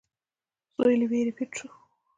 سوی له وېرې پټ شو.